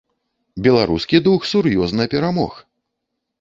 Беларускі дух сур'ёзна перамог!